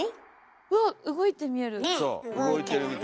うわっ動いて見える。ね！